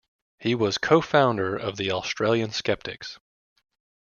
He was co-founder of the Australian Skeptics.